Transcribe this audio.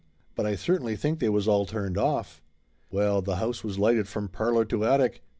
But I certainly think they was all turned off!" Well, the house was lighted from parlor to attic.